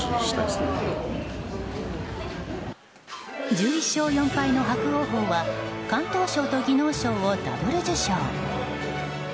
１１勝４敗の伯桜鵬は敢闘賞と技能賞をダブル受賞。